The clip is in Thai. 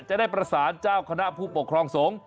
จะได้ประสานเจ้าคณะผู้ปกครองสงฆ์